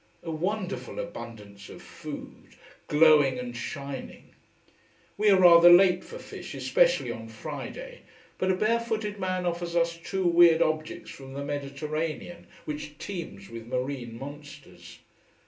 A wonderful abundance of food, glowing and shining. We are rather late for fish, especially on Friday. But a barefooted man offers us two weird objects from the Mediterranean, which teems with marine monsters.